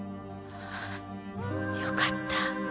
よかった。